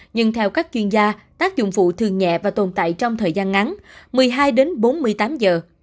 nhưng theo các chuyên gia tác dụng phụ thường nhẹ và tồn tại trong thời gian ngắn một mươi hai đến bốn mươi tám giờ